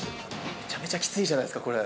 めちゃめちゃきついじゃないですか、これ。